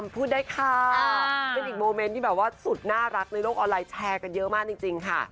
พูดได้ค่ะเป็นอีกโมเมนต์ที่แบบว่าสุดน่ารักในโลกออนไลน์แชร์กันเยอะมากจริงค่ะ